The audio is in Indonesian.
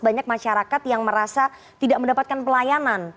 banyak masyarakat yang merasa tidak mendapatkan pelayanan